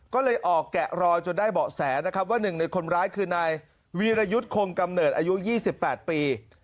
ก็เลยออกแกะรอยจนได้เบาะแสนะครับว่าหนึ่งในคนร้ายคือนายวีรยุทธ์คงกำเนิดอายุ๒๘ปี